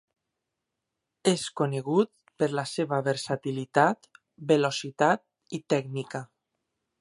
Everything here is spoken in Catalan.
És conegut per la seva versatilitat, velocitat i tècnica.